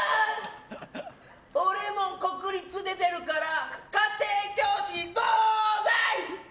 俺も国立出てるから家庭教師どうだい！？